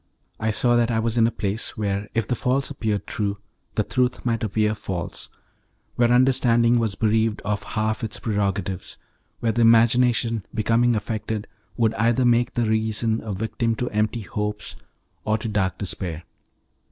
I saw that I was in a place where, if the false appeared true, the truth might appear false, where understanding was bereaved of half its prerogatives, where the imagination becoming affected would either make the reason a victim to empty hopes or to dark despair.